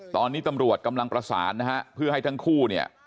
ตอนนี้ตำรวจกำลังประสานนะฮะเพื่อให้ทั้งคู่เนี่ย